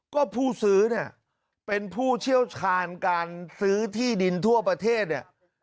ก็ผู้ซื้อเนี่ยเป็นผู้เชี่ยวชาญการซื้อที่ดินทั่วประเทศเนี่ย